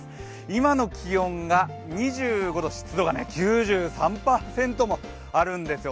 今の気温が２５度、湿度が９３％もあるんですよ。